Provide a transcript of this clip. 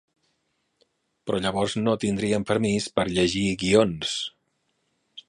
Però llavors no tindrien permís per llegir guions.